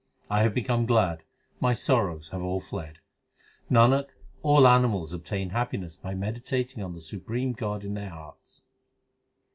I have become glad, my sorrows have all fled. Nanak, all animals obtain happiness By meditating on the supreme God in their hearts.